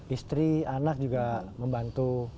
istri anak juga membantu